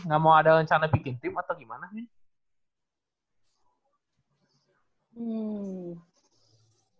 nggak mau ada rencana bikin tim atau gimana min